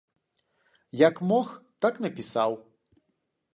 Як мог, так напісаў.